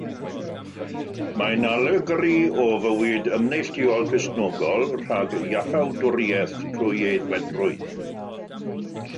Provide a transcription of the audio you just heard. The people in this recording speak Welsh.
Mae'n alegori o fywyd ymneilltuol Cristnogol rhag Iachawdwriaeth trwy aeddfedrwydd.